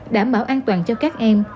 đảm bảo an toàn cho các em